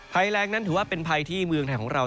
ภัยแรงนั้นถือว่าเป็นภัยที่เมืองไทยของเรา